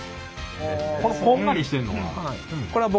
このこんがりしてんのは？